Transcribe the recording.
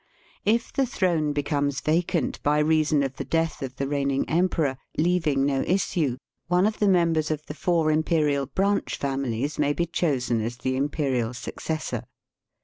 If the throne becomes vacant by reason of the death of the reigning emperor, leaving no issue, one of the members of the four imperial branch families may be chosen as Digitized by VjOOQIC 88 EAST BY WEST. the imperial successor.